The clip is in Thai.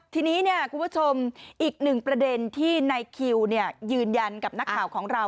ทีนี้คุณผู้ชมอีกหนึ่งประเด็นที่นายคิวยืนยันกับนักข่าวของเรา